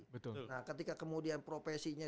betul nah ketika kemudian profesinya